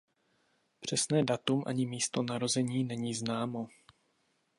Přesné datum ani místo narození není známo.